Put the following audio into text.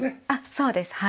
そうですはい。